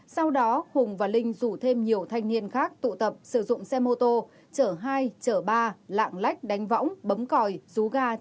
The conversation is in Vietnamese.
sau đó hùng và linh rủ thêm nhiều thanh niên khác tụ tập sử dụng xe mô tô chở hai chở ba lạng lách đánh võng bấm còi rú ga